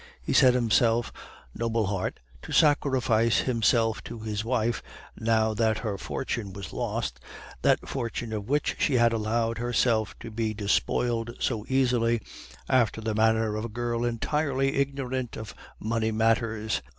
He set himself, noble heart, to sacrifice himself to his wife, now that her fortune was lost, that fortune of which she had allowed herself to be despoiled so easily, after the manner of a girl entirely ignorant of money matters.